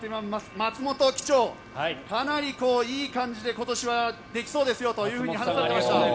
松本機長、かなりいい感じで今年はできそうですよと話されていました。